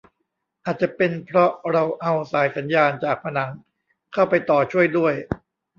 อาจจะเป็นเพราะเราเอาสายสัญญาณจากผนังเข้าไปต่อช่วยด้วย